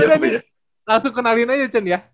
yaudah nih langsung kenalin aja chen ya